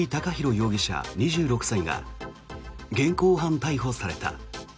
容疑者、２６歳が現行犯逮捕された。